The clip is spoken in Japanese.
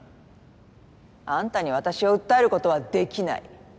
あんたに私を訴えることはできない。